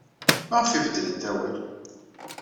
Maɣef ay beddlent awal?